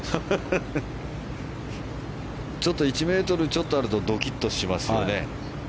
１ｍちょっとあるとドキッとしますね。